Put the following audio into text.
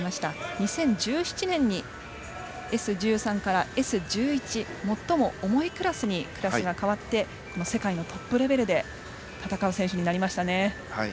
２０１７年に、Ｓ１３からＳ１１最も重いクラスにクラスが変わって世界のトップレベルで戦う選手になりましたね。